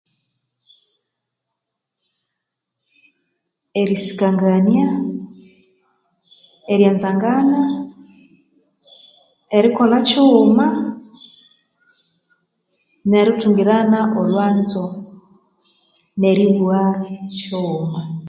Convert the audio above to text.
Erisikangania, eryanzangana, erikolha kighuma nerithungirana olhwanzo neribugha kighuma